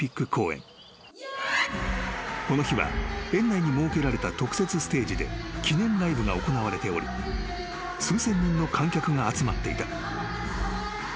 ［この日は園内に設けられた特設ステージで記念ライブが行われており数千人の観客が集まっていた］